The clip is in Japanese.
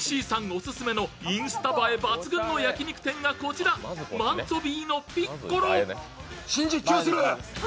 オススメのインスタ映え抜群のお店がこちらマンツォヴィーノピッコロ。